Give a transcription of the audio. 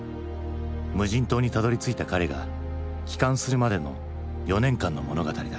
無人島にたどりついた彼が帰還するまでの４年間の物語だ。